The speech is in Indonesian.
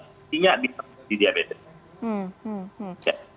maksudnya bisa di diabetes